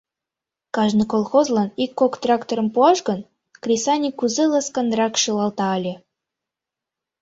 Кажне колхозлан ик-кок тракторым пуаш гын, кресаньык кузе ласканрак шӱлалта ыле.